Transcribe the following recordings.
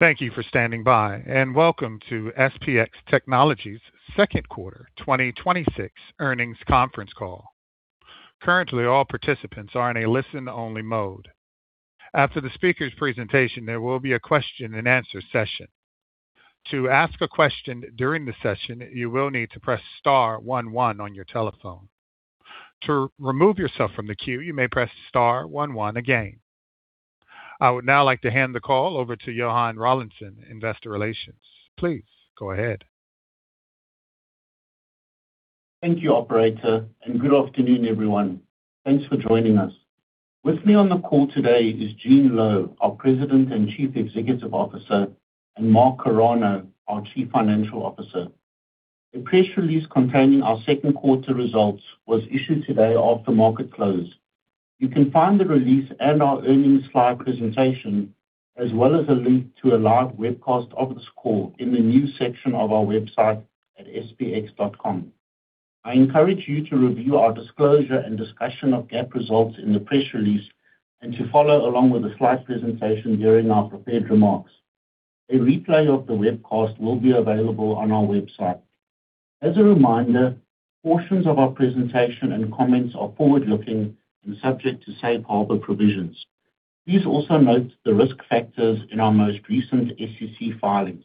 Thank you for standing by, and welcome to SPX Technologies' second quarter 2026 earnings conference call. Currently, all participants are in a listen-only mode. After the speaker's presentation, there will be a question-and-answer session. To ask a question during the session, you will need to press star one one on your telephone. To remove yourself from the queue, you may press star one one again. I would now like to hand the call over to Johann Rawlinson, Investor Relations. Please go ahead. Thank you, operator. Good afternoon, everyone. Thanks for joining us. With me on the call today is Gene Lowe, our President and Chief Executive Officer, and Mark Carano, our Chief Financial Officer. The press release containing our second quarter results was issued today after market close. You can find the release and our earnings slide presentation, as well as a link to a live webcast of this call in the news section of our website at spx.com. I encourage you to review our disclosure and discussion of GAAP results in the press release, and to follow along with the slide presentation during our prepared remarks. A replay of the webcast will be available on our website. As a reminder, portions of our presentation and comments are forward-looking and subject to Safe Harbor provisions. Please also note the risk factors in our most recent SEC filings.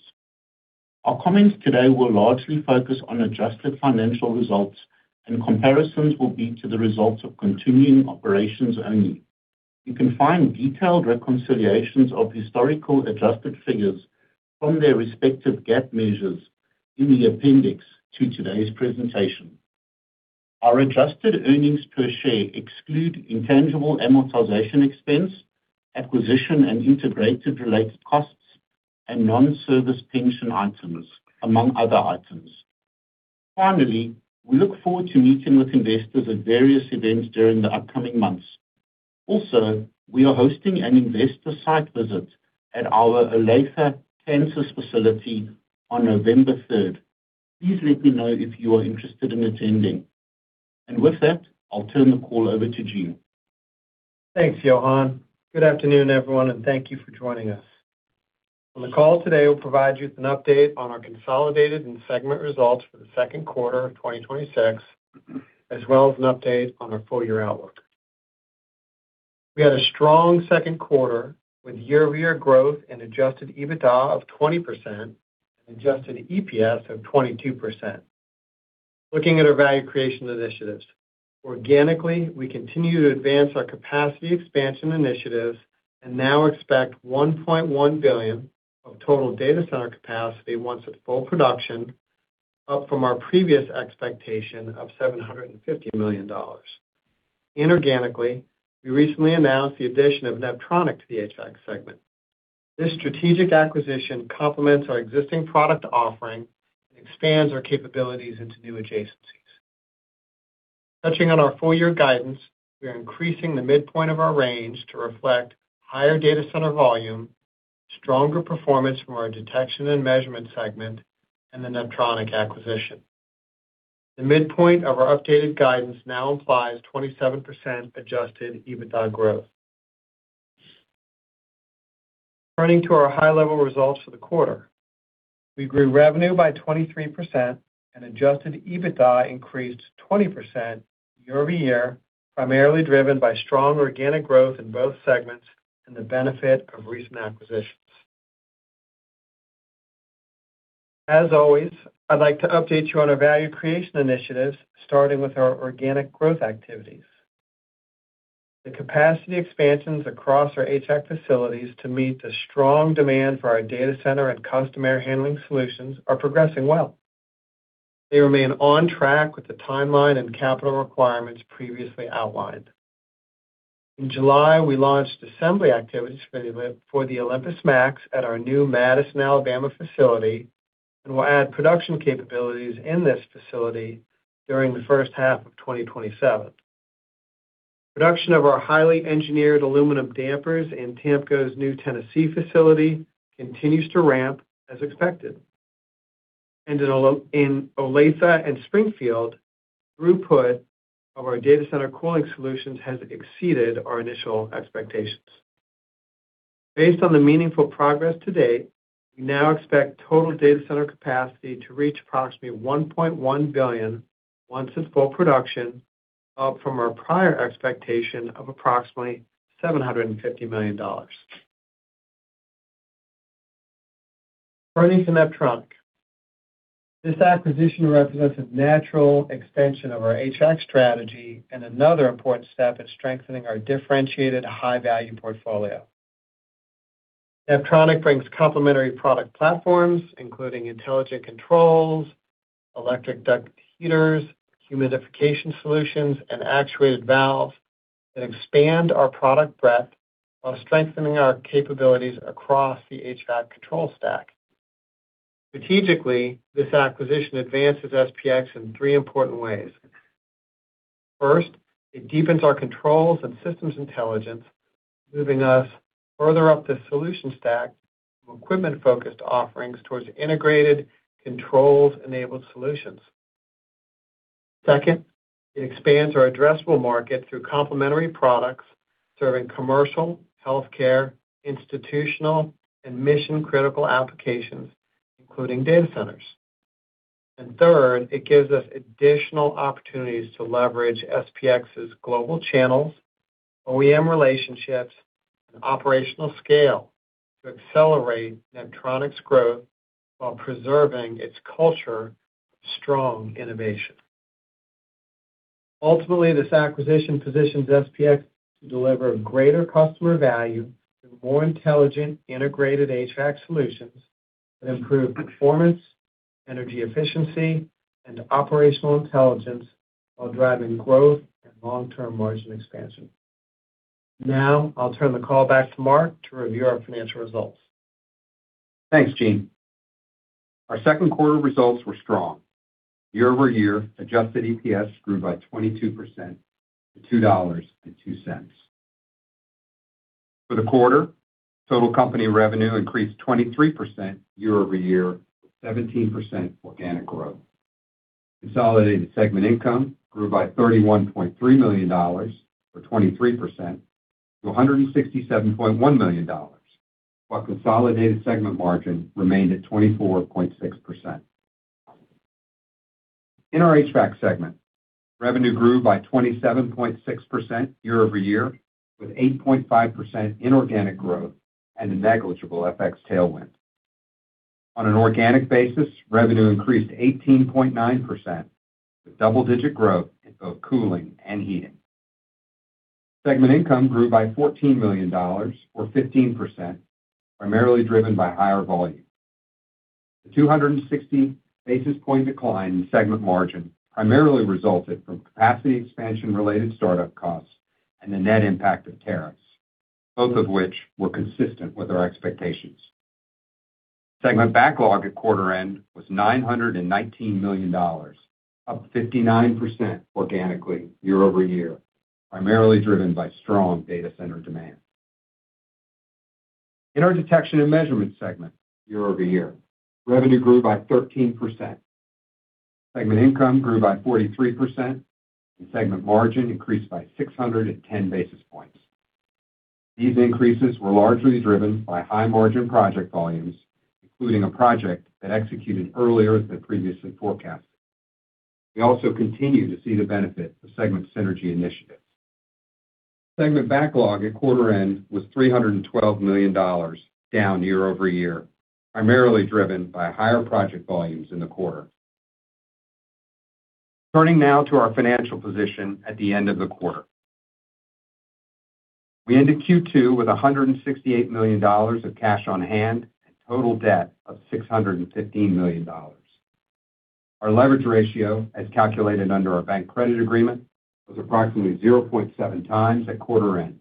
Our comments today will largely focus on adjusted financial results. Comparisons will be to the results of continuing operations only. You can find detailed reconciliations of historical adjusted figures from their respective GAAP measures in the appendix to today's presentation. Our adjusted earnings per share exclude intangible amortization expense, acquisition and integrated related costs, and non-service pension items, among other items. Finally, we look forward to meeting with investors at various events during the upcoming months. Also, we are hosting an investor site visit at our Olathe, Kansas facility on November 3rd. Please let me know if you are interested in attending. With that, I'll turn the call over to Gene. Thanks, Johann. Good afternoon, everyone. Thank you for joining us. On the call today, we'll provide you with an update on our consolidated and segment results for the second quarter of 2026, as well as an update on our full-year outlook. We had a strong second quarter with year-over-year growth in adjusted EBITDA of 20% and adjusted EPS of 22%. Looking at our value creation initiatives. Organically, we continue to advance our capacity expansion initiatives and now expect $1.1 billion of total data center capacity once at full production, up from our previous expectation of $750 million. Inorganically, we recently announced the addition of Neptronic to the HVAC segment. This strategic acquisition complements our existing product offering and expands our capabilities into new adjacencies. Touching on our full-year guidance, we are increasing the midpoint of our range to reflect higher data center volume, stronger performance from our Detection & Measurement Segment, and the Neptronic acquisition. The midpoint of our updated guidance now implies 27% adjusted EBITDA growth. Turning to our high-level results for the quarter. We grew revenue by 23% and adjusted EBITDA increased 20% year-over-year, primarily driven by strong organic growth in both segments and the benefit of recent acquisitions. As always, I'd like to update you on our value creation initiatives, starting with our organic growth activities. The capacity expansions across our HVAC facilities to meet the strong demand for our data center and constant air handling solutions are progressing well. They remain on track with the timeline and capital requirements previously outlined. In July, we launched assembly activities for the OlympusMAX at our new Madison, Alabama facility and will add production capabilities in this facility during the first half of 2027. Production of our highly engineered aluminum dampers in Tamco's new Tennessee facility continues to ramp as expected. In Olathe and Springfield, throughput of our data center cooling solutions has exceeded our initial expectations. Based on the meaningful progress to date, we now expect total data center capacity to reach approximately $1.1 billion once it's full production, up from our prior expectation of approximately $750 million. Turning to Neptronic. This acquisition represents a natural extension of our HVAC strategy and another important step in strengthening our differentiated high-value portfolio. Neptronic brings complementary product platforms, including intelligent controls, electric duct heaters, humidification solutions, and actuated valves that expand our product breadth while strengthening our capabilities across the HVAC control stack. Strategically, this acquisition advances SPX in three important ways. First, it deepens our controls and systems intelligence, moving us further up the solution stack from equipment-focused offerings towards integrated controls-enabled solutions. Second, it expands our addressable market through complementary products serving commercial, healthcare, institutional, and mission-critical applications, including data centers. Third, it gives us additional opportunities to leverage SPX's global channels, OEM relationships, and operational scale to accelerate Neptronic's growth while preserving its culture of strong innovation. Ultimately, this acquisition positions SPX to deliver greater customer value through more intelligent, integrated HVAC solutions that improve performance, energy efficiency, and operational intelligence while driving growth and long-term margin expansion. Now, I'll turn the call back to Mark to review our financial results. Thanks, Gene. Our second quarter results were strong. Year-over-year, adjusted EPS grew by 22% to $2.02. For the quarter, total company revenue increased 23% year-over-year, with 17% organic growth. Consolidated segment income grew by $31.3 million, or 23%, to $167.1 million, while consolidated segment margin remained at 24.6%. In our HVAC segment, revenue grew by 27.6% year-over-year, with 8.5% inorganic growth and a negligible FX tailwind. On an organic basis, revenue increased 18.9%, with double-digit growth in both cooling and heating. Segment income grew by $14 million, or 15%, primarily driven by higher volume. The 260 basis point decline in segment margin primarily resulted from capacity expansion-related startup costs and the net impact of tariffs, both of which were consistent with our expectations. Segment backlog at quarter end was $919 million, up 59% organically year-over-year, primarily driven by strong data center demand. In our Detection & Measurement segment year-over-year, revenue grew by 13%. Segment income grew by 43%, and segment margin increased by 610 basis points. These increases were largely driven by high-margin project volumes, including a project that executed earlier than previously forecasted. We also continue to see the benefit of segment synergy initiatives. Segment backlog at quarter end was $312 million, down year-over-year, primarily driven by higher project volumes in the quarter. Turning now to our financial position at the end of the quarter. We ended Q2 with $168 million of cash on hand and total debt of $615 million. Our leverage ratio, as calculated under our bank credit agreement, was approximately 0.7x at quarter end.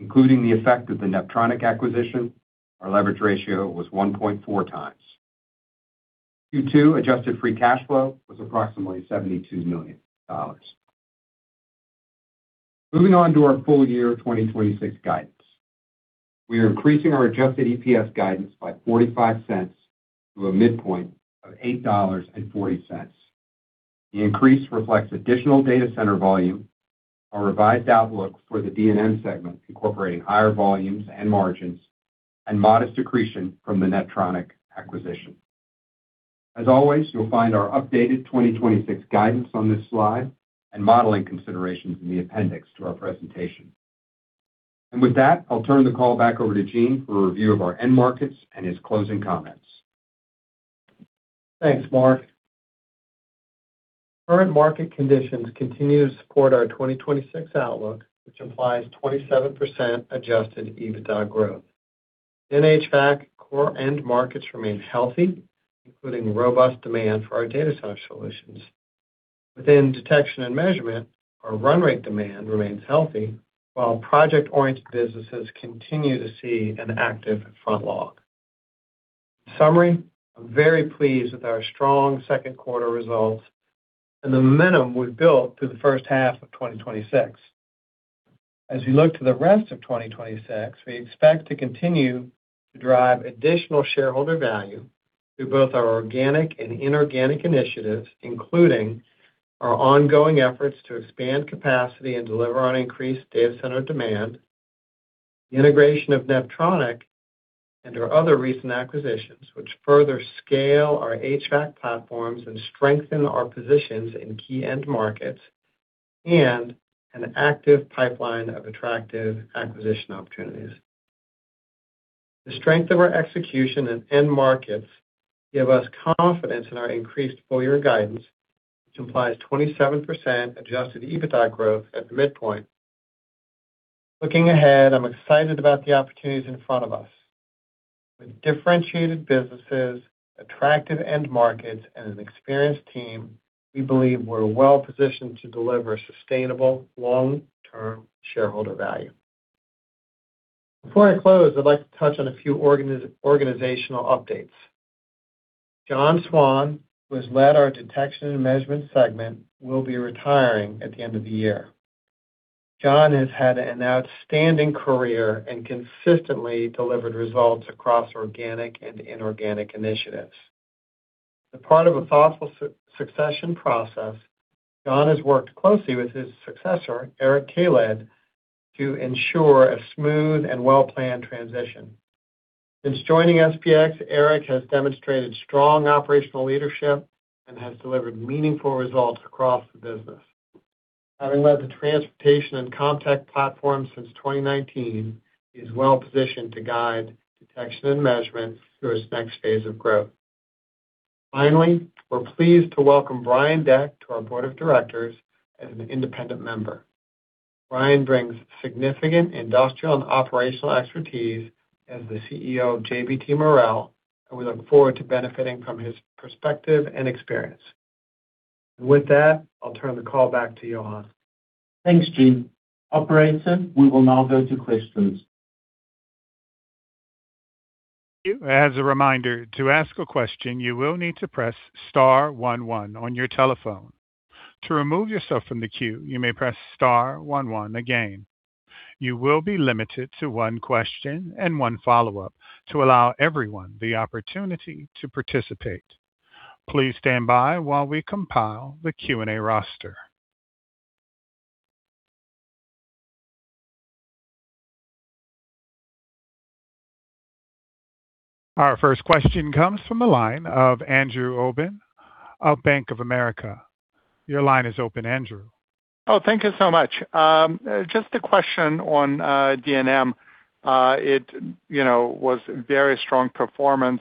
Including the effect of the Neptronic acquisition, our leverage ratio was 1.4x. Q2 adjusted free cash flow was approximately $72 million. Moving on to our full-year 2026 guidance. We are increasing our adjusted EPS guidance by $0.45 to a midpoint of $8.40. The increase reflects additional data center volume, our revised outlook for the D&M segment incorporating higher volumes and margins, and modest accretion from the Neptronic acquisition. As always, you'll find our updated 2026 guidance on this slide and modeling considerations in the appendix to our presentation. With that, I'll turn the call back over to Gene for a review of our end markets and his closing comments. Thanks, Mark. Current market conditions continue to support our 2026 outlook, which implies 27% adjusted EBITDA growth. In HVAC, core end markets remain healthy, including robust demand for our data center solutions. Within Detection & Measurement, our run rate demand remains healthy while project-oriented businesses continue to see an active front log. In summary, I'm very pleased with our strong second quarter results and the momentum we've built through the first half of 2026. As we look to the rest of 2026, we expect to continue to drive additional shareholder value through both our organic and inorganic initiatives, including our ongoing efforts to expand capacity and deliver on increased data center demand, the integration of Neptronic and our other recent acquisitions, which further scale our HVAC platforms and strengthen our positions in key end markets, and an active pipeline of attractive acquisition opportunities. The strength of our execution and end markets give us confidence in our increased full-year guidance, which implies 27% adjusted EBITDA growth at the midpoint. Looking ahead, I'm excited about the opportunities in front of us. With differentiated businesses, attractive end markets, and an experienced team, we believe we're well positioned to deliver sustainable long-term shareholder value. Before I close, I'd like to touch on a few organizational updates. John Swann, who has led our Detection & Measurement segment, will be retiring at the end of the year. John has had an outstanding career and consistently delivered results across organic and inorganic initiatives. As part of a thoughtful succession process, John has worked closely with his successor, Eric Kaled, to ensure a smooth and well-planned transition. Since joining SPX, Eric has demonstrated strong operational leadership and has delivered meaningful results across the business. Having led the transportation and contact platform since 2019, he is well positioned to guide Detection & Measurement through its next phase of growth. Finally, we're pleased to welcome Brian Deck to our board of directors as an independent member. Brian brings significant industrial and operational expertise as the CEO of JBT Marel, and we look forward to benefiting from his perspective and experience. With that, I'll turn the call back to Johann. Thanks, Gene. Operator, we will now go to questions. Thank you. As a reminder, to ask a question, you will need to press star one one on your telephone. To remove yourself from the queue, you may press star one one again. You will be limited to one question and one follow-up to allow everyone the opportunity to participate. Please stand by while we compile the Q&A roster. Our first question comes from the line of Andrew Obin of Bank of America. Your line is open, Andrew. Thank you so much. Just a question on D&M. It was very strong performance.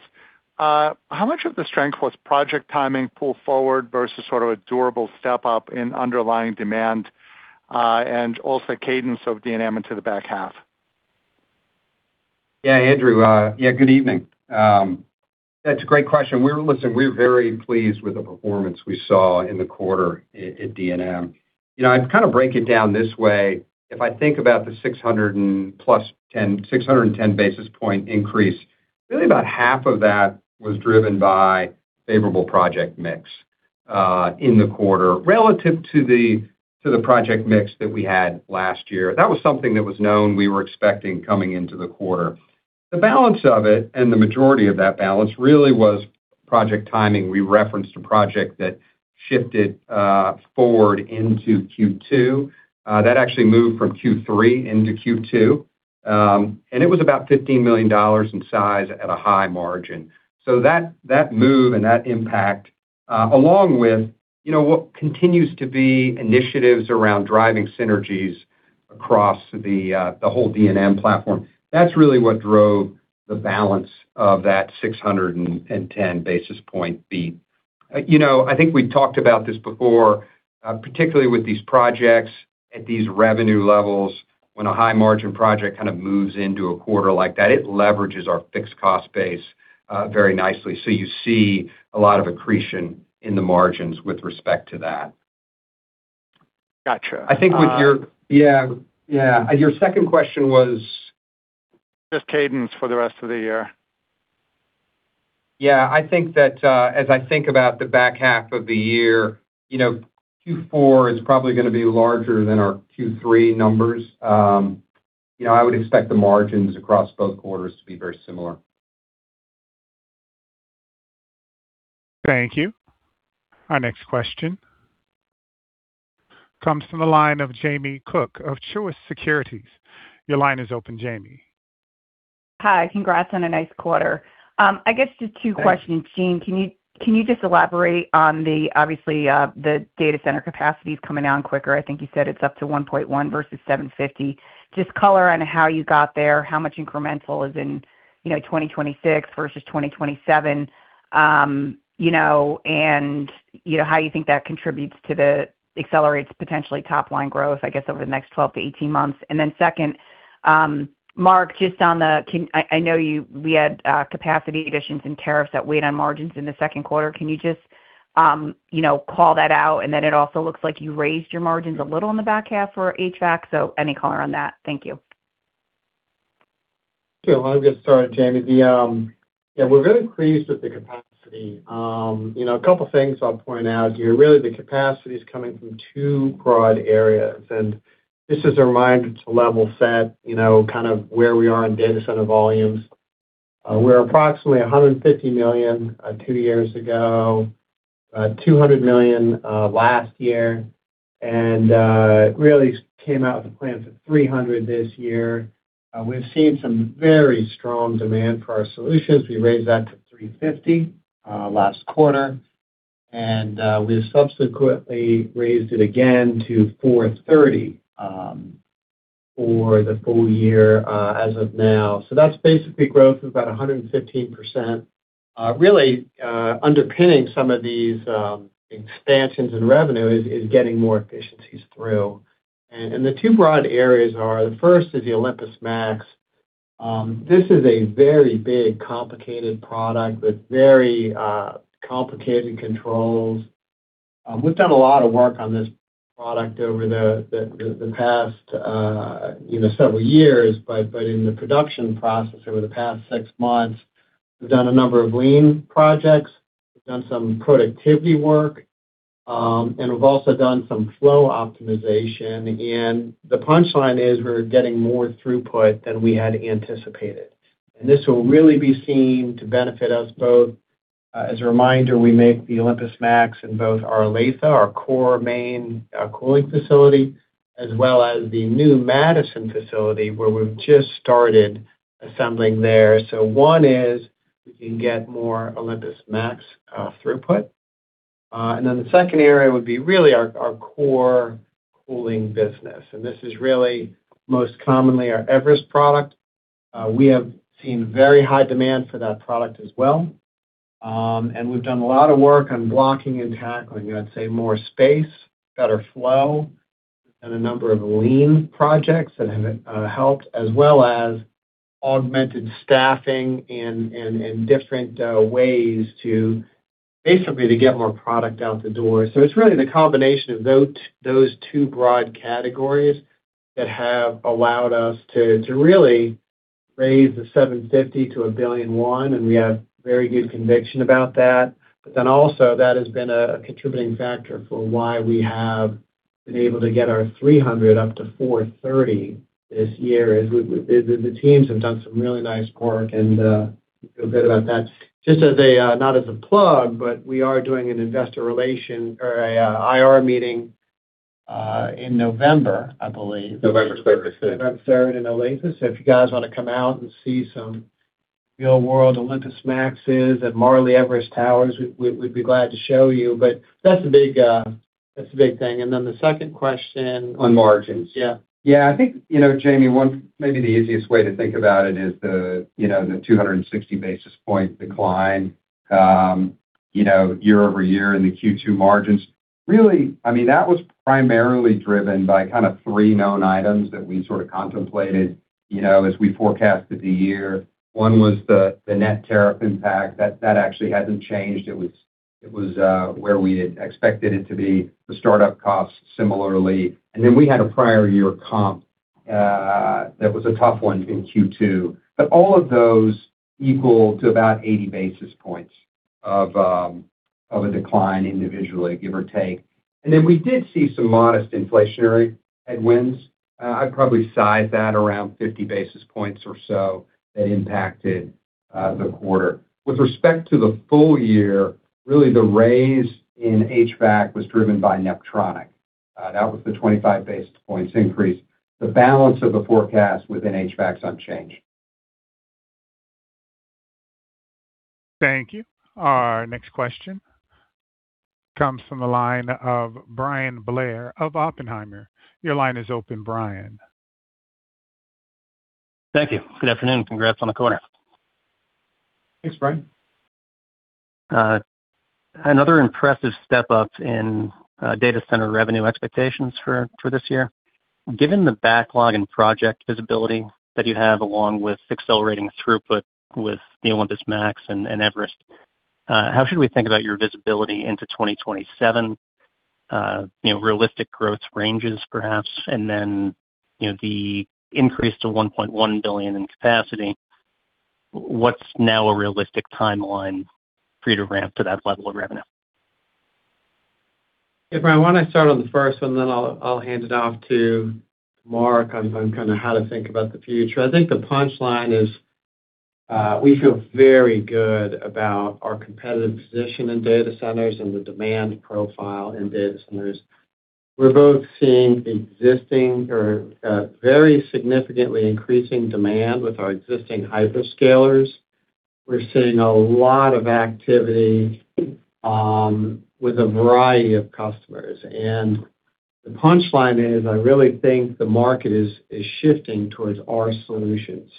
How much of the strength was project timing pull forward versus sort of a durable step up in underlying demand, and also cadence of D&M into the back half? Yeah, Andrew. Yeah, good evening. That's a great question. Listen, we're very pleased with the performance we saw in the quarter at D&M. I kind of break it down this way. If I think about the 610 basis point increase, really about half of that was driven by favorable project mix in the quarter relative to the project mix that we had last year. That was something that was known we were expecting coming into the quarter. The balance of it, the majority of that balance really was project timing. We referenced a project that shifted forward into Q2. That actually moved from Q3 into Q2. It was about $15 million in size at a high margin. That move and that impact, along with what continues to be initiatives around driving synergies across the whole D&M platform, that's really what drove the balance of that 610 basis point beat. I think we talked about this before, particularly with these projects at these revenue levels, when a high margin project kind of moves into a quarter like that, it leverages our fixed cost base very nicely. You see a lot of accretion in the margins with respect to that. Got you. Yeah. Your second question was? Just cadence for the rest of the year. Yeah, as I think about the back half of the year, Q4 is probably going to be larger than our Q3 numbers. I would expect the margins across both quarters to be very similar. Thank you. Our next question comes from the line of Jamie Cook of Truist Securities. Your line is open, Jamie. Hi, congrats on a nice quarter. I guess just two questions. Gene, can you just elaborate on obviously, the data center capacities coming down quicker? I think you said it's up to $1.1 billion versus $750 million. Just color on how you got there, how much incremental is in 2026 versus 2027, and how you think that contributes to the accelerates potentially top line growth, I guess, over the next 12-18 months. Second, Mark, I know we had capacity additions and tariffs that weighed on margins in the second quarter. Can you just call that out? It also looks like you raised your margins a little in the back half for HVAC, so any color on that? Thank you. Sure. I'll get started, Jamie. Yeah, we're very pleased with the capacity. A couple of things I'll point out here. The capacity is coming from two broad areas, this is our mind to level set, kind of where we are in data center volumes. We're approximately $150 million two years ago, $200 million last year, came out with a plan for $300 million this year. We've seen some very strong demand for our solutions. We raised that to $350 million last quarter, we subsequently raised it again to $430 million for the full-year as of now. That's basically growth of about 115%. Underpinning some of these expansions in revenue is getting more efficiencies through. The two broad areas are, the first is the OlympusMAX. This is a very big, complicated product with very complicated controls. We've done a lot of work on this product over the past several years. In the production process over the past six months We've done a number of lean projects, we've done some productivity work, we've also done some flow optimization. The punchline is we're getting more throughput than we had anticipated. This will really be seen to benefit us both. As a reminder, we make the OlympusMAX in both Olathe, our core main cooling facility, as well as the new Madison facility, where we've just started assembling there. One is we can get more OlympusMAX throughput, the second area would be really our core cooling business, this is really most commonly our Everest product. We have seen very high demand for that product as well. We've done a lot of work on blocking and tackling, I'd say more space, better flow, a number of lean projects that have helped, as well as augmented staffing and different ways to basically to get more product out the door. It's really the combination of those two broad categories that have allowed us to really raise the $750 million-$1.1 billion, we have very good conviction about that. Also that has been a contributing factor for why we have been able to get our $300 million up to $430 million this year. The teams have done some really nice work, we feel good about that. Just not as a plug, we are doing an investor relation or IR meeting in November, I believe. November 3rd. November 3rd in Olathe. If you guys want to come out and see some real-world OlympusMAX and Marley Everest towers, we'd be glad to show you. That's the big thing. Then the second question? On margins. Yeah. Yeah. I think, Jamie, maybe the easiest way to think about it is the 260 basis point decline year-over-year in the Q2 margins. Really, that was primarily driven by kind of three known items that we sort of contemplated as we forecasted the year. One was the net tariff impact, that actually hadn't changed. It was where we had expected it to be, the startup cost similarly. Then we had a prior year comp, that was a tough one in Q2. All of those equal to about 80 basis points of a decline individually, give or take. Then we did see some modest inflationary headwinds. I'd probably size that around 50 basis points or so that impacted the quarter. With respect to the full-year, really the raise in HVAC was driven by Neptronic. That was the 25 basis points increase. The balance of the forecast within HVAC is unchanged. Thank you. Our next question comes from the line of Bryan Blair of Oppenheimer. Your line is open, Bryan. Thank you. Good afternoon, congrats on the quarter. Thanks, Bryan. Another impressive step up in data center revenue expectations for this year. Given the backlog and project visibility that you have, along with accelerating throughput with the OlympusMAX and Everest, how should we think about your visibility into 2027, realistic growth ranges perhaps? The increase to $1.1 billion in capacity, what's now a realistic timeline for you to ramp to that level of revenue? Bryan, why don't I start on the first one, then I'll hand it off to Mark on kind of how to think about the future. I think the punchline is, we feel very good about our competitive position in data centers and the demand profile in data centers. We're both seeing existing or very significantly increasing demand with our existing hyperscalers. We're seeing a lot of activity with a variety of customers. The punchline is, I really think the market is shifting towards our solutions.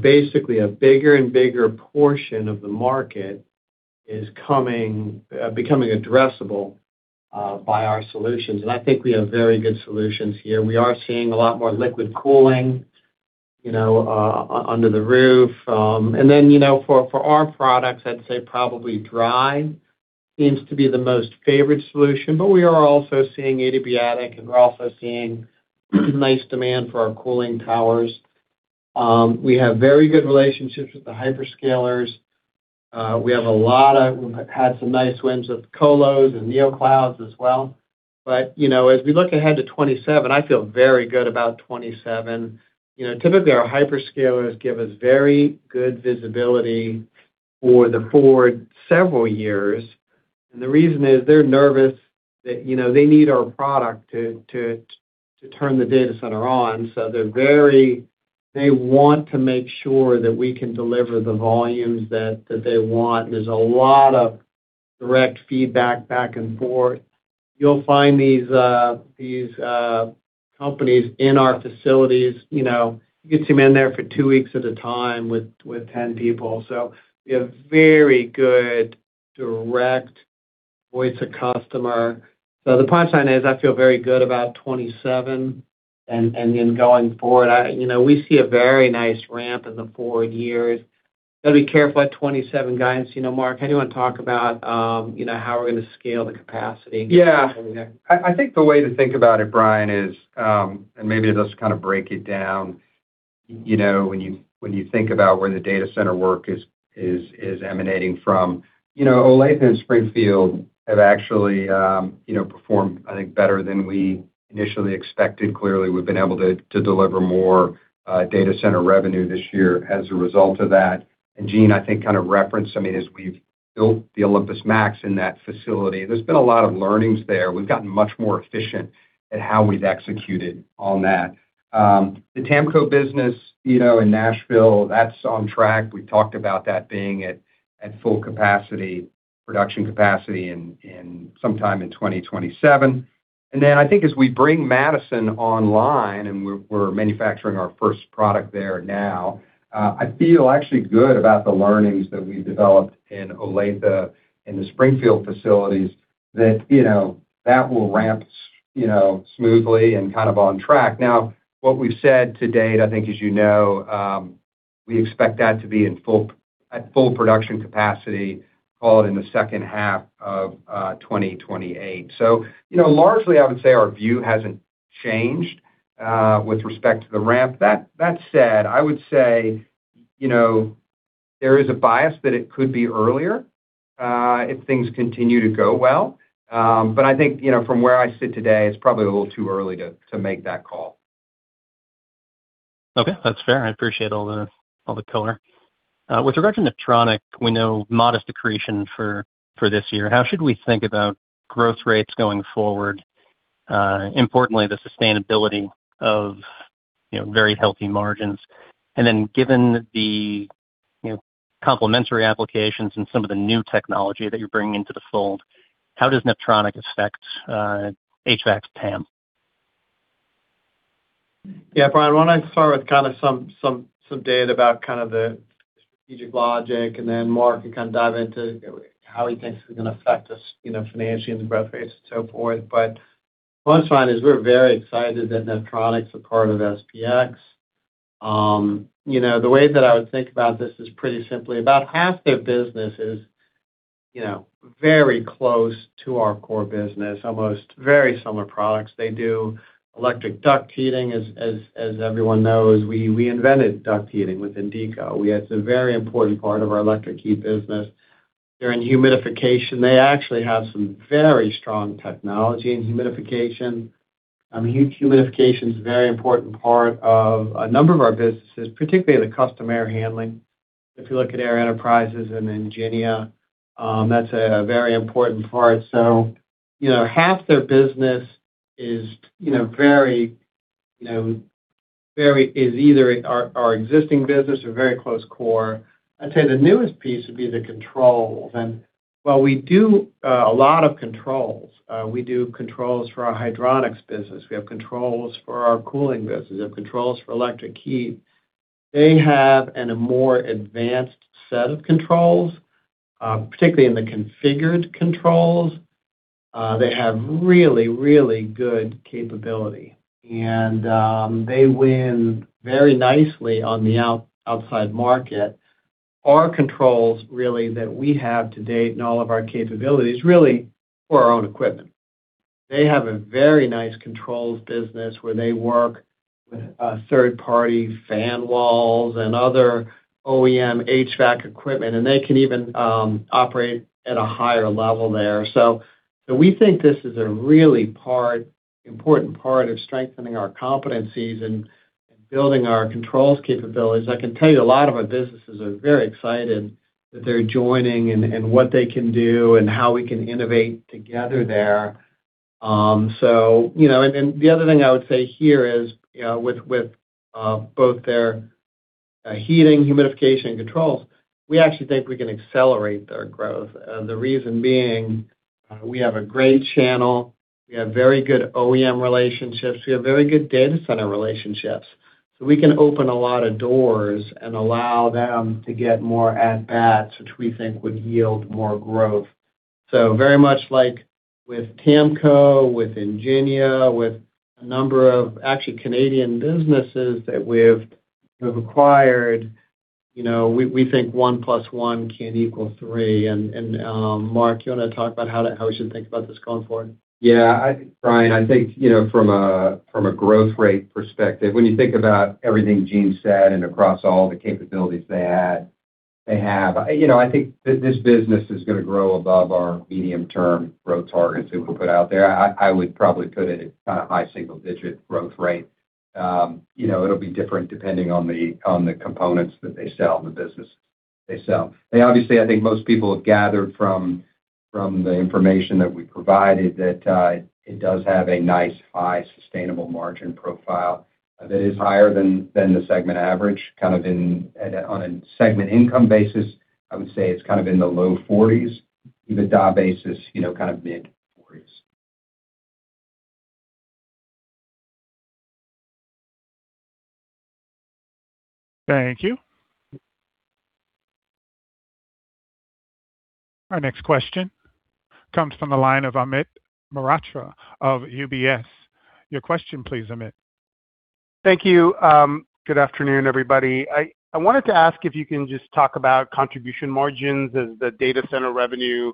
Basically, a bigger and bigger portion of the market is becoming addressable by our solutions, and I think we have very good solutions here. We are seeing a lot more liquid cooling under the roof. For our products, I'd say probably dry seems to be the most favored solution. We are also seeing adiabatic, and we're also seeing nice demand for our cooling towers. We have very good relationships with the hyperscalers. We had some nice wins with colos and neo clouds as well. As we look ahead to 2027, I feel very good about 2027. Typically, our hyperscalers give us very good visibility for the forward several years, and the reason is they're nervous that they need our product to turn the data center on. They want to make sure that we can deliver the volumes that they want. There's a lot of direct feedback back and forth, you'll find these companies in our facilities. You get some in there for two weeks at a time with 10 people. We have very good direct voice of customer. The punchline is, I feel very good about 2027. Going forward, we see a very nice ramp in the forward years. Got to be careful at 2027 guidance. Mark, how do you want to talk about how we're going to scale the capacity? I think the way to think about it, Bryan, is, maybe just kind of break it down. When you think about where the data center work is emanating from, Olathe and Springfield have actually performed, I think, better than we initially expected. Clearly, we've been able to deliver more data center revenue this year as a result of that. Gene, I think, kind of referenced, as we've built the OlympusMAX in that facility, there's been a lot of learnings there. We've gotten much more efficient at how we've executed on that. The Tamco business in Nashville, that's on track. We've talked about that being at full production capacity sometime in 2027. I think as we bring Madison online, and we're manufacturing our first product there now, I feel actually good about the learnings that we've developed in Olathe, in the Springfield facilities, that will ramp smoothly and kind of on track. What we've said to date, I think as you know, we expect that to be at full production capacity, call it in the second half of 2028. Largely, I would say our view hasn't changed with respect to the ramp. That said, I would say there is a bias that it could be earlier, if things continue to go well. I think, from where I sit today, it's probably a little too early to make that call. Okay. That's fair, I appreciate all the color. With regard to Neptronic, we know modest accretion for this year. How should we think about growth rates going forward? Importantly, the sustainability of very healthy margins. Given the complimentary applications and some of the new technology that you're bringing into the fold, how does Neptronic affect HVAC TAM? Yeah. Bryan, why don't I start with some data about the strategic logic, Mark can dive into how he thinks it's going to affect us financially and the growth rates and so forth. What I find is we're very excited that Neptronic's a part of SPX. The way that I would think about this is pretty simply, about half their business is very close to our core business, almost very similar products. They do electric duct heating. As everyone knows, we invented duct heating with Indeeco. It's a very important part of our electric heat business. They're in humidification. They actually have some very strong technology in humidification. Huge humidification's a very important part of a number of our businesses, particularly the custom air handling. If you look at Air Enterprises and Ingénia, that's a very important part. Half their business is either our existing business or very close core. I'd say the newest piece would be the controls. While we do a lot of controls, we do controls for our hydronics business, we have controls for our cooling business, we have controls for electric heat. They have a more advanced set of controls, particularly in the configured controls. They have really, really good capability and they win very nicely on the outside market. Our controls really that we have to date and all of our capabilities really for our own equipment. They have a very nice controls business where they work with third-party fan walls and other OEM HVAC equipment, and they can even operate at a higher level there. We think this is a really important part of strengthening our competencies and building our controls capabilities. I can tell you a lot of our businesses are very excited that they're joining and what they can do and how we can innovate together there. The other thing I would say here is, with both their heating humidification controls, we actually think we can accelerate their growth. The reason being, we have a great channel, we have very good OEM relationships, we have very good data center relationships. We can open a lot of doors and allow them to get more at-bats, which we think would yield more growth. Very much like with Tamco, with Ingénia, with a number of actually Canadian businesses that we've acquired, we think one plus one can equal three. Mark, you want to talk about how we should think about this going forward? Yeah. Bryan, I think, from a growth rate perspective, when you think about everything Gene said and across all the capabilities they have, I think this business is going to grow above our medium-term growth targets that we'll put out there. I would probably put it at high single-digit growth rate. It'll be different depending on the components that they sell and the business they sell. Obviously, I think most people have gathered from the information that we provided that it does have a nice high sustainable margin profile that is higher than the segment average, kind of on a segment income basis, I would say it's kind of in the low 40%. The EBITDA basis, kind of mid-40%. Thank you. Our next question comes from the line of Amit Mehrotra of UBS. Your question please, Amit. Thank you. Good afternoon, everybody. I wanted to ask if you can just talk about contribution margins as the data center revenue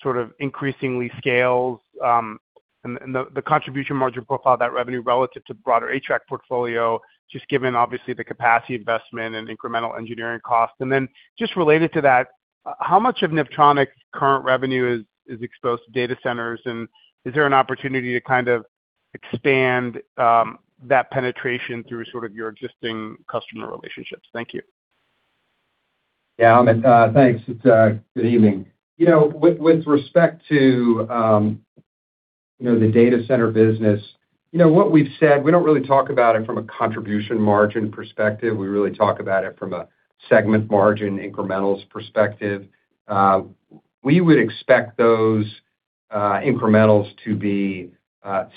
sort of increasingly scales and the contribution margin profile of that revenue relative to broader HVAC portfolio, just given, obviously, the capacity investment and incremental engineering costs. Then just related to that, how much of Neptronic's current revenue is exposed to data centers, and is there an opportunity to kind of expand that penetration through sort of your existing customer relationships? Thank you. Yeah, Amit, thanks. Good evening. With respect to the data center business, what we've said, we don't really talk about it from a contribution margin perspective. We really talk about it from a segment margin incrementals perspective. We would expect those incrementals to be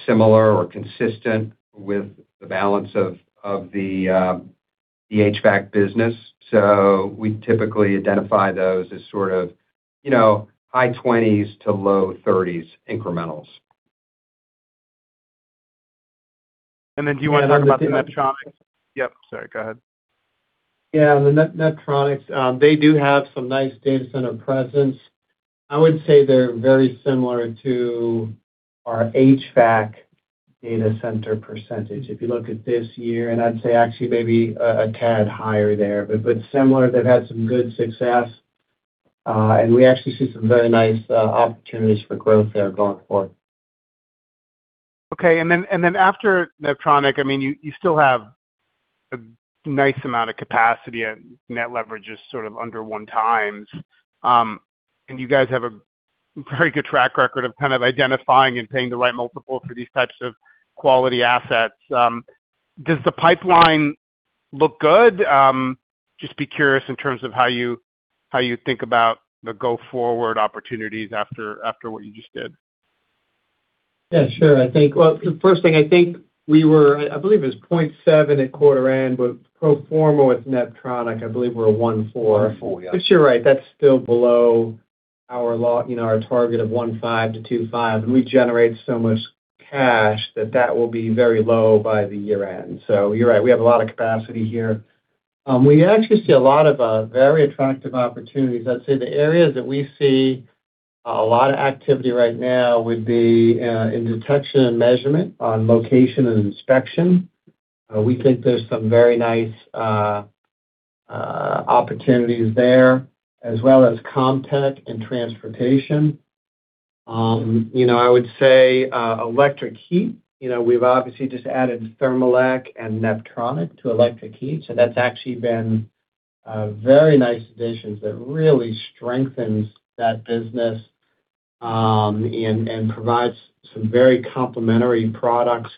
similar or consistent with the balance of the HVAC business. We typically identify those as sort of high 20% to low 30% incrementals. Do you want to talk about the Neptronic? Yep, sorry, go ahead. Yeah, the Neptronic, they do have some nice data center presence. I would say they're very similar to our HVAC data center percentage. If you look at this year, I'd say actually maybe a tad higher there. Similar, they've had some good success, and we actually see some very nice opportunities for growth there going forward. Okay, after Neptronic, you still have a nice amount of capacity and net leverage is sort of under 1x. You guys have a very good track record of kind of identifying and paying the right multiple for these types of quality assets. Does the pipeline look good? Just be curious in terms of how you think about the go-forward opportunities after what you just did. Yeah, sure. Well, the first thing, I believe it was 0.7x at quarter end, but pro forma with Neptronic, I believe we're 1.4x. 1.4x, yeah. You're right. That's still below our target of 1.5x-2.5x, and we generate so much cash that that will be very low by the year-end. You're right, we have a lot of capacity here. We actually see a lot of very attractive opportunities. I'd say the areas that we see a lot of activity right now would be in Detection & Measurement on location and inspection. We think there's some very nice opportunities there, as well as Comtech and transportation. I would say electric heat. We've obviously just added Thermolec and Neptronic to electric heat, so that's actually been very nice additions that really strengthens that business and provides some very complementary products.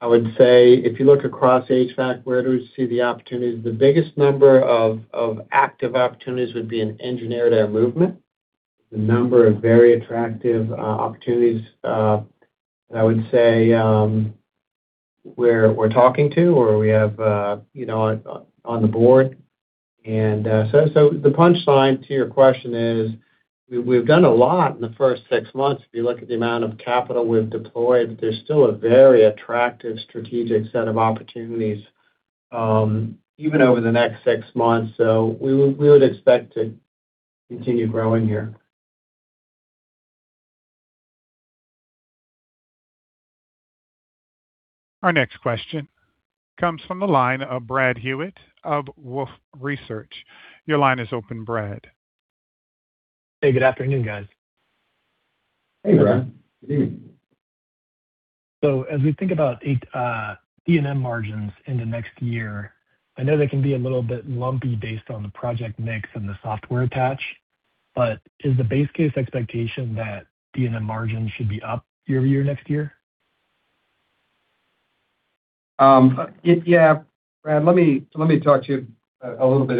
I would say if you look across HVAC, where do we see the opportunities? The biggest number of active opportunities would be in engineered air movement. The number of very attractive opportunities that I would say we're talking to or we have on the board. The punchline to your question is, we've done a lot in the first six months if you look at the amount of capital we've deployed, but there's still a very attractive strategic set of opportunities even over the next six months. We would expect to continue growing here. Our next question comes from the line of Brad Hewitt of Wolfe Research. Your line is open, Brad. Hey, good afternoon, guys. Hey, Brad. Hey. As we think about D&M margins in the next year, I know they can be a little bit lumpy based on the project mix and the software attach, but is the base case expectation that D&M margins should be up year-over-year next year? Yeah, Brad, let me talk to you a little bit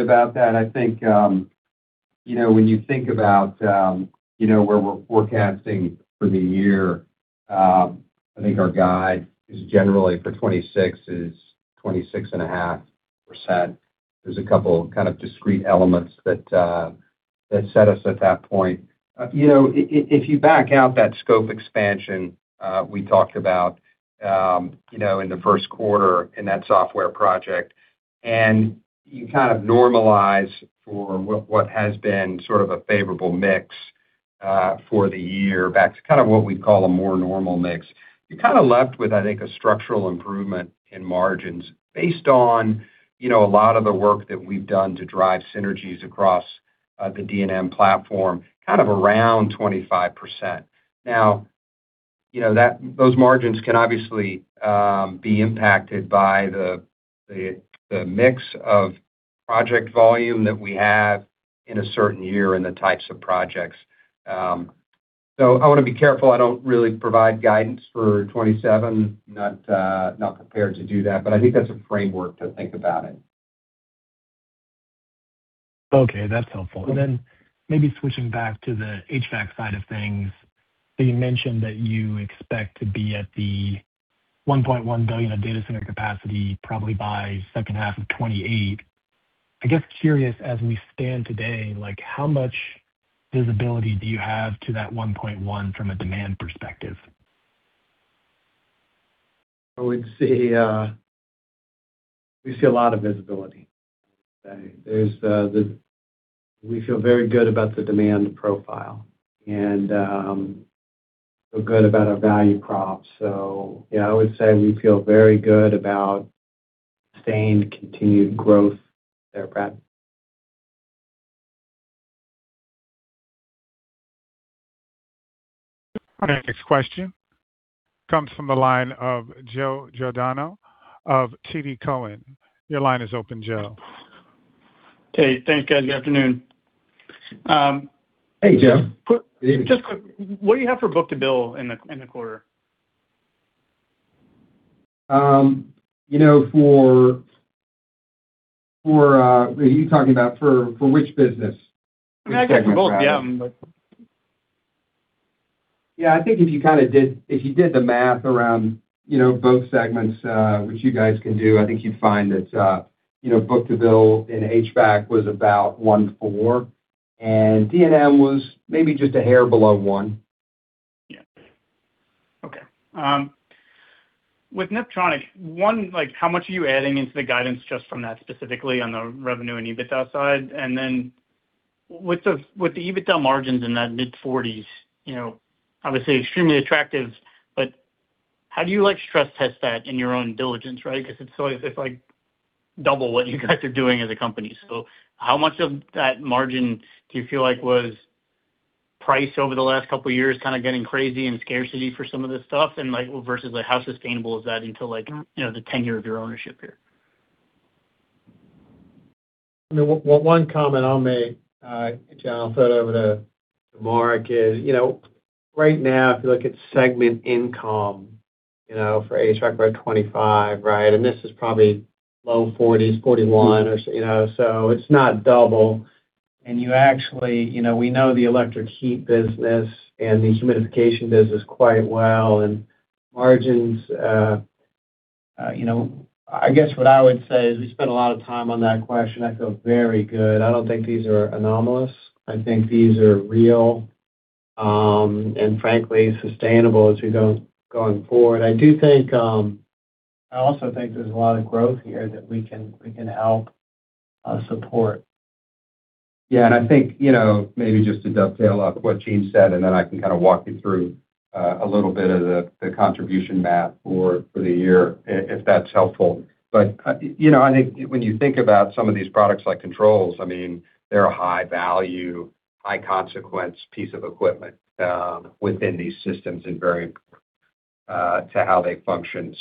about that. I think when you think about where we're forecasting for the year, I think our guide is generally for 26% is 26.5%. There's a couple kind of discrete elements that set us at that point. If you back out that scope expansion we talked about in the first quarter in that software project, and you kind of normalize for what has been sort of a favorable mix for the year back to kind of what we'd call a more normal mix, you're kind of left with, I think, a structural improvement in margins based on a lot of the work that we've done to drive synergies across the D&M platform, kind of around 25%. Those margins can obviously be impacted by the mix of project volume that we have in a certain year and the types of projects. I want to be careful. I don't really provide guidance for 2027. Not prepared to do that, but I think that's a framework to think about it. Okay, that's helpful. Maybe switching back to the HVAC side of things, you mentioned that you expect to be at the $1.1 billion of data center capacity probably by second half of 2028. I guess curious as we stand today, how much visibility do you have to that $1.1 billion from a demand perspective? I would say we see a lot of visibility. We feel very good about the demand profile, and feel good about our value prop. Yeah, I would say we feel very good about sustained continued growth there, Brad. Our next question comes from the line of Joe Giordano of TD Cowen. Your line is open, Joe. Okay, thanks, guys. Good afternoon. Hey, Joe. Just quick, what do you have for book-to-bill in the quarter? Are you talking about for which business? I guess for both. I think if you did the math around both segments, which you guys can do, I think you'd find that book-to-bill in HVAC was about 1.4x, and D&M was maybe just a hair below 1x. Okay. With Neptronic, how much are you adding into the guidance just from that specifically on the revenue and EBITDA side? Then with the EBITDA margins in that mid-40%, obviously extremely attractive, but how do you stress test that in your own diligence? Right? Because it's like double what you guys are doing as a company. How much of that margin do you feel like was priced over the last couple of years, kind of getting crazy and scarcity for some of this stuff, and versus how sustainable is that into the tenure of your ownership here? One comment I'll make, Joe, I'll throw it over to Mark, is right now, if you look at segment income for HVAC, we're at 25%, right? This is probably low 40%-41%. It's not double. We know the electric heat business and the humidification business quite well, and margins. I guess what I would say is we spent a lot of time on that question. I feel very good. I don't think these are anomalous. I think these are real, and frankly, sustainable as we go going forward. I also think there's a lot of growth here that we can help support. I think maybe just to dovetail off of what Gene said, then I can kind of walk you through a little bit of the contribution math for the year, if that's helpful. I think when you think about some of these products like controls, they're a high-value, high-consequence piece of equipment within these systems and very to how they function.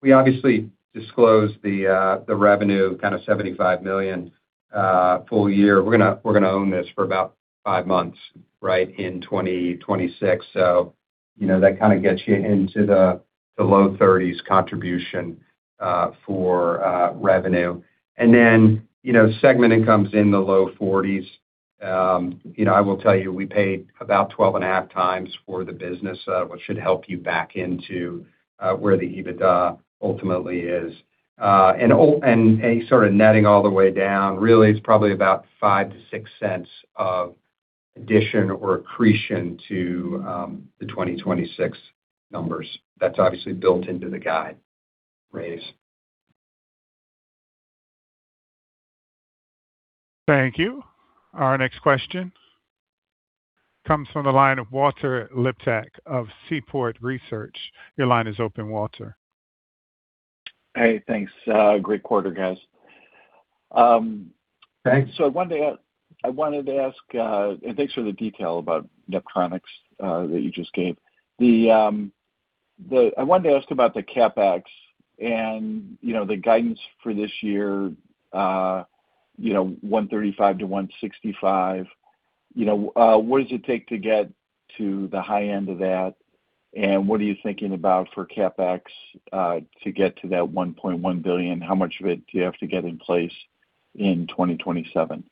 We obviously disclosed the revenue, kind of $75 million full-year. We're going to own this for about five months in 2026. That kind of gets you into the low 30% contribution for revenue. Then segment income's in the low 40%. I will tell you, we paid about 12.5x for the business, which should help you back into where the EBITDA ultimately is. Sort of netting all the way down, really, it's probably about $0.05-$0.06 of addition or accretion to the 2026 numbers. That's obviously built into the guide raise. Thank you. Our next question comes from the line of Walter Liptak of Seaport Research. Your line is open, Walter. Hey, thanks. Great quarter, guys. Thanks. I wanted to ask, thanks for the detail about Neptronic that you just gave. I wanted to ask about the CapEx and the guidance for this year, $135 million-$165 million. What does it take to get to the high end of that? What are you thinking about for CapEx to get to that $1.1 billion? How much of it do you have to get in place in 2027?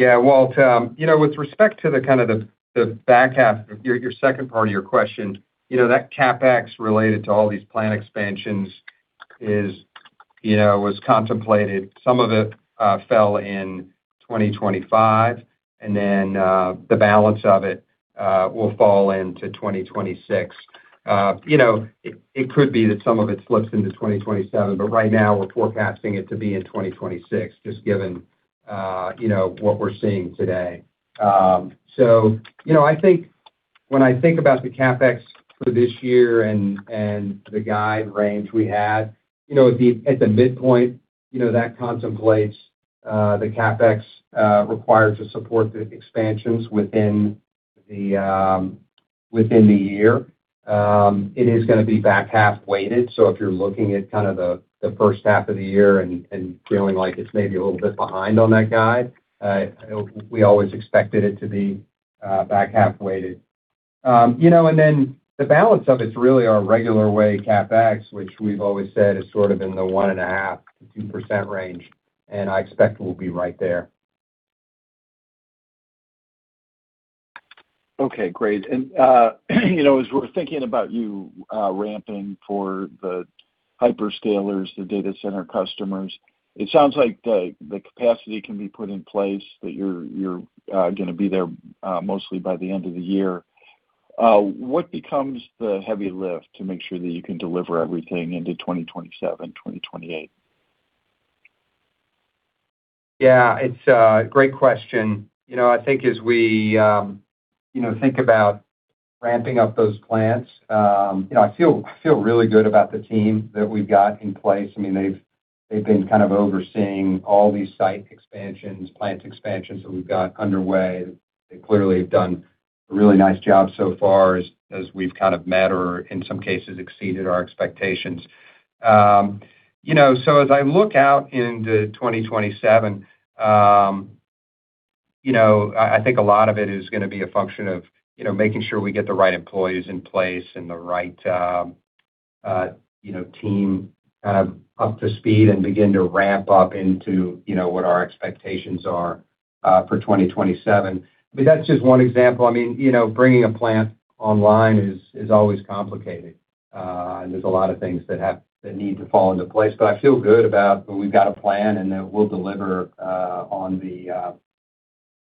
Walt, with respect to the kind of the back half of your second part of your question, that CapEx related to all these plant expansions was contemplated. Some of it fell in 2025, the balance of it will fall into 2026. It could be that some of it slips into 2027, right now we're forecasting it to be in 2026, just given what we're seeing today. When I think about the CapEx for this year and the guide range we had, at the midpoint, that contemplates the CapEx required to support the expansions within the year. It is going to be back half weighted. If you're looking at kind of the first half of the year and feeling like it's maybe a little bit behind on that guide, we always expected it to be back half weighted. The balance of it's really our regular way CapEx, which we've always said is sort of in the 1.5%-2% range, I expect we'll be right there. Okay, great. As we're thinking about you ramping for the hyperscalers, the data center customers. It sounds like the capacity can be put in place, that you're going to be there mostly by the end of the year. What becomes the heavy lift to make sure that you can deliver everything into 2027, 2028? Yeah, it's a great question. I think as we think about ramping up those plants, I feel really good about the team that we've got in place. They've been kind of overseeing all these site expansions, plant expansions that we've got underway. They clearly have done a really nice job so far as we've kind of met or, in some cases, exceeded our expectations. As I look out into 2027, I think a lot of it is going to be a function of making sure we get the right employees in place and the right team up to speed and begin to ramp up into what our expectations are for 2027. That's just one example. Bringing a plant online is always complicated, and there's a lot of things that need to fall into place. I feel good about that we've got a plan, and that we'll deliver on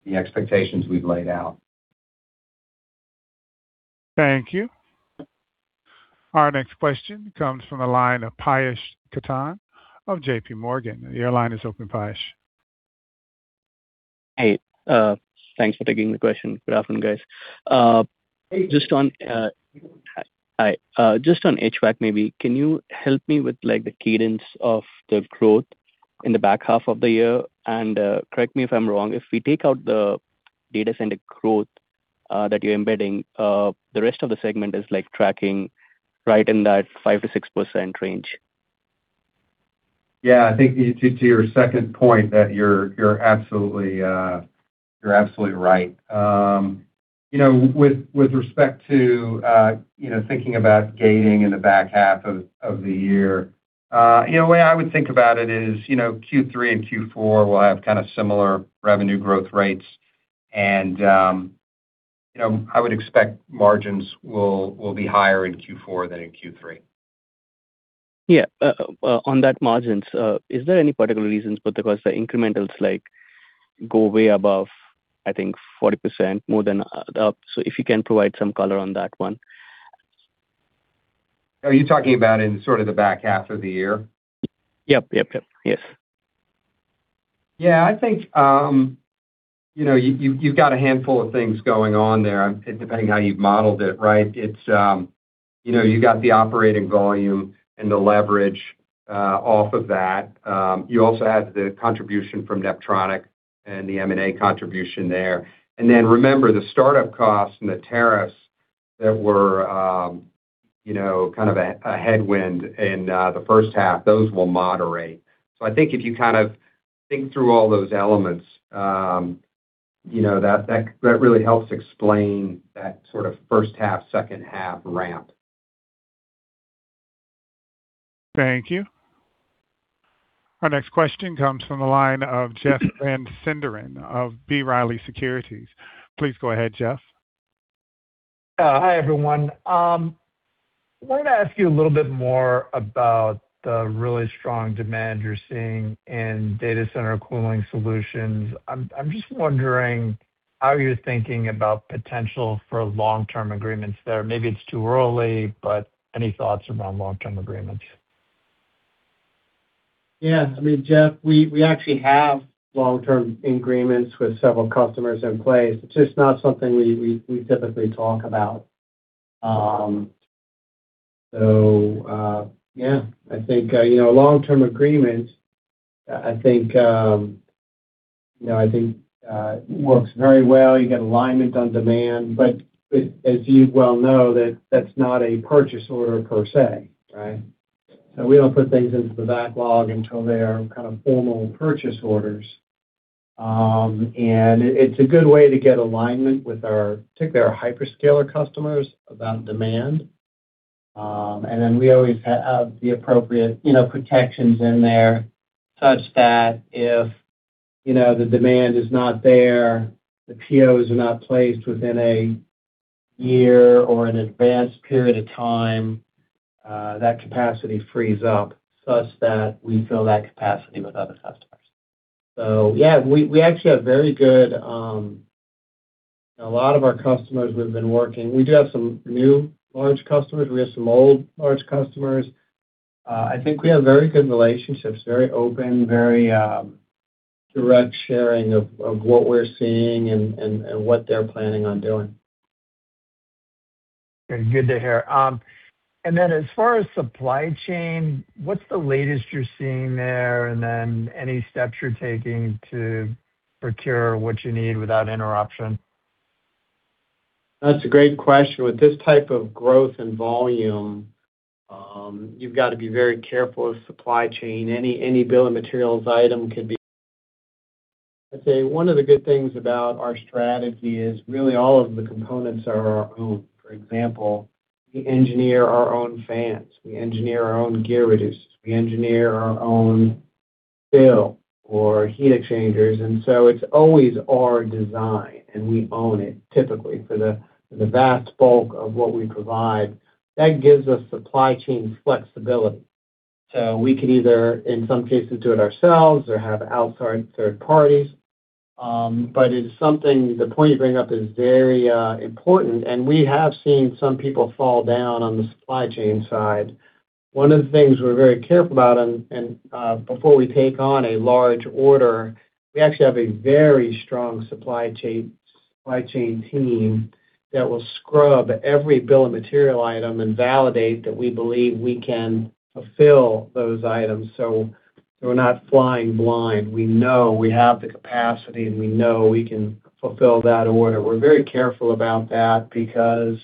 the expectations we've laid out. Thank you. Our next question comes from the line of Piyush Khaitan of JPMorgan. Your line is open, Piyush. Hey, thanks for taking the question. Good afternoon, guys. Hey. Hi. Just on HVAC maybe, can you help me with the cadence of the growth in the back half of the year? Correct me if I'm wrong, if we take out the data center growth that you're embedding, the rest of the segment is tracking right in that 5%-6% range. Yeah, I think to your second point that you're absolutely right. With respect to thinking about gating in the back half of the year, the way I would think about it is Q3 and Q4 will have kind of similar revenue growth rates. I would expect margins will be higher in Q4 than in Q3. Yeah. On that margins, is there any particular reasons because the incrementals go way above, I think 40% more than up. If you can provide some color on that one? Are you talking about in sort of the back half of the year? Yep. I think you've got a handful of things going on there, depending on how you've modeled it, right? You got the operating volume and the leverage off of that. You also have the contribution from Neptronic and the M&A contribution there. Remember the startup costs and the tariffs that were kind of a headwind in the first half, those will moderate. I think if you kind of think through all those elements, that really helps explain that sort of first half, second half ramp. Thank you. Our next question comes from the line of Jeff Van Sinderen of B. Riley Securities. Please go ahead, Jeff. Hi, everyone. I wanted to ask you a little bit more about the really strong demand you're seeing in data center cooling solutions. I'm just wondering how you're thinking about potential for long-term agreements there. Maybe it's too early. Any thoughts around long-term agreements? Yeah. Jeff, we actually have long-term agreements with several customers in place. It's just not something we typically talk about. Yeah, I think long-term agreements, I think works very well. You get alignment on demand. As you well know, that's not a purchase order per se, right? We don't put things into the backlog until they are kind of formal purchase orders. It's a good way to get alignment with our, particularly our hyperscaler customers, about demand. We always have the appropriate protections in there, such that if the demand is not there, the POs are not placed within a year or an advanced period of time, that capacity frees up such that we fill that capacity with other customers. Yeah, we actually have very good. A lot of our customers we've been working. We do have some new large customers, we have some old large customers. I think we have very good relationships, very open, very direct sharing of what we're seeing and what they're planning on doing. Good to hear. As far as supply chain, what's the latest you're seeing there, and then any steps you're taking to procure what you need without interruption? That's a great question. With this type of growth and volume, you've got to be very careful with supply chain. Any bill of materials item. I'd say one of the good things about our strategy is really all of the components are our own. For example, we engineer our own fans, we engineer our own gear reducers, we engineer our own bill or heat exchangers, it's always our design, and we own it typically for the vast bulk of what we provide. That gives us supply chain flexibility. We could either, in some cases, do it ourselves or have outside third parties. The point you bring up is very important, and we have seen some people fall down on the supply chain side. One of the things we're very careful about and before we take on a large order, we actually have a very strong supply chain team that will scrub every bill of material item and validate that we believe we can fulfill those items, so we're not flying blind. We know we have the capacity, and we know we can fulfill that order. We're very careful about that because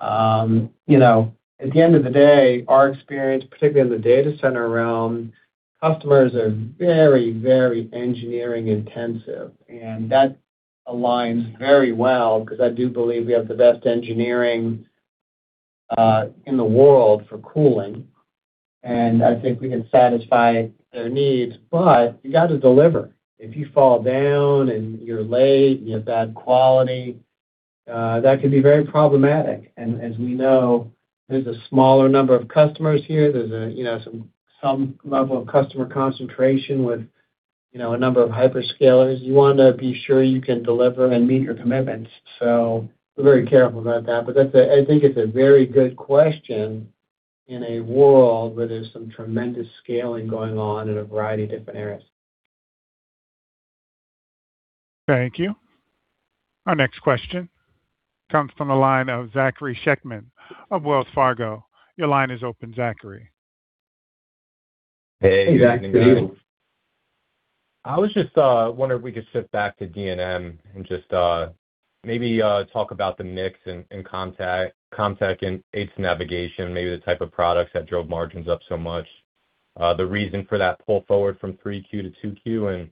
at the end of the day, our experience, particularly in the data center realm, customers are very engineering intensive, and that aligns very well because I do believe we have the best engineering in the world for cooling, and I think we can satisfy their needs. You got to deliver. If you fall down and you're late, you have bad quality, that could be very problematic. As we know, there's a smaller number of customers here. There's some level of customer concentration with a number of hyperscalers. You want to be sure you can deliver and meet your commitments. We're very careful about that. I think it's a very good question in a world where there's some tremendous scaling going on in a variety of different areas. Thank you. Our next question comes from the line of Zachary Schechtman of Wells Fargo. Your line is open, Zachary. Hey, good evening. Hey, Zach. I was just wondering if we could shift back to D&M and just maybe talk about the mix in Comtech and AtoN navigation, maybe the type of products that drove margins up so much. The reason for that pull forward from 3Q to 2Q, and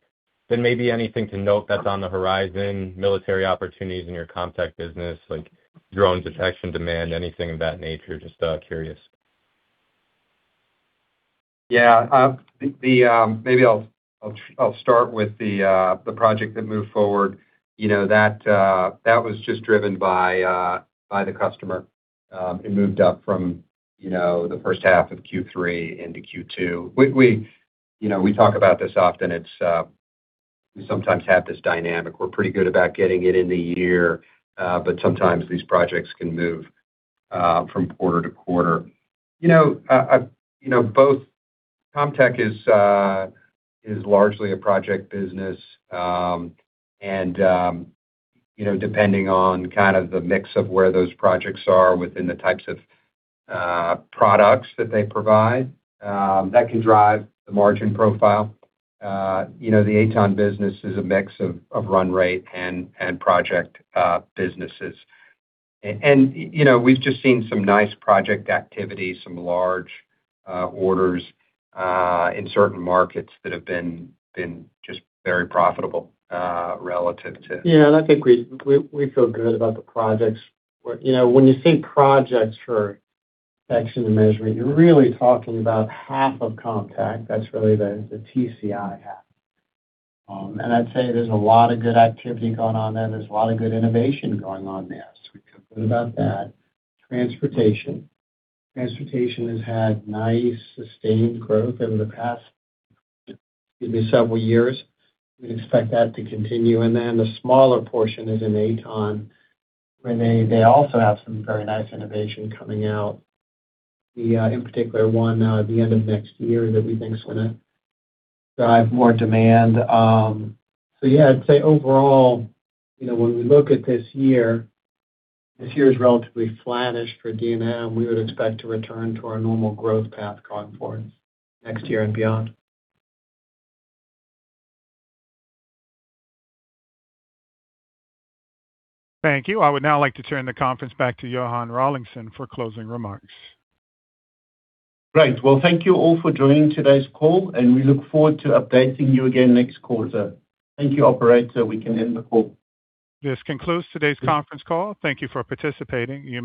then maybe anything to note that's on the horizon, military opportunities in your Comtech business, like drone detection demand, anything of that nature. Just curious. Yeah. Maybe I'll start with the project that moved forward. That was just driven by the customer. It moved up from the first half of Q3 into Q2. We talk about this often. We sometimes have this dynamic. We're pretty good about getting it in the year, but sometimes these projects can move from quarter-to-quarter. Comtech is largely a project business, and depending on kind of the mix of where those projects are within the types of products that they provide, that can drive the margin profile. The AtoN business is a mix of run rate and project businesses. We've just seen some nice project activity, some large orders in certain markets that have been just very profitable. Yeah, I think we feel good about the projects. When you think projects for Detection & Measurement, you're really talking about half of Comtech. That's really the TCI half. I'd say there's a lot of good activity going on there. There's a lot of good innovation going on there, so we feel good about that. Transportation. Transportation has had nice, sustained growth over the past maybe several years. We'd expect that to continue. Then the smaller portion is in AtoN, where they also have some very nice innovation coming out, in particular one at the end of next year that we think is going to drive more demand. Yeah, I'd say overall, when we look at this year, this year is relatively flattish for D&M. We would expect to return to our normal growth path going forward next year and beyond. Thank you. I would now like to turn the conference back to Johann Rawlinson for closing remarks. Great. Well, thank you all for joining today's call. We look forward to updating you again next quarter. Thank you, operator. We can end the call. This concludes today's conference call. Thank you for participating. You may disconnect.